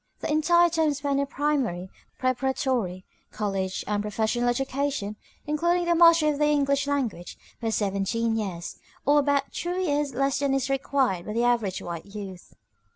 The entire time spent in primary, preparatory, college, and professional education, including the mastery of the English language, was seventeen years, or about two years less than is required by the average white youth.